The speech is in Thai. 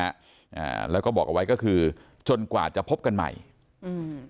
อ่าแล้วก็บอกเอาไว้ก็คือจนกว่าจะพบกันใหม่อืม